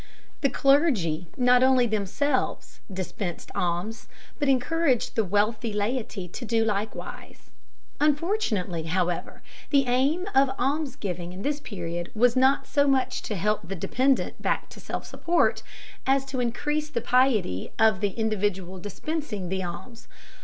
The clergy not only themselves dispensed alms, but encouraged the wealthy laity to do likewise. Unfortunately, however, the aim of almsgiving in this period was not so much to help the dependent back to self support, as to increase the piety of the individual dispensing the alms.